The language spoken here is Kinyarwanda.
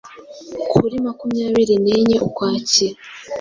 Kuri makumyabiri nenye Ukwakira